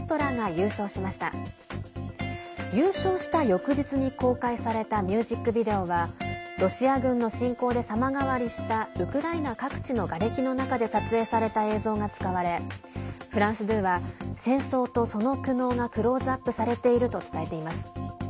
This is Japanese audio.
優勝した翌日に公開されたミュージックビデオはロシア軍の侵攻で様変わりしたウクライナ各地のがれきの中で撮影された映像が使われフランス２は戦争とその苦悩がクローズアップされていると伝えています。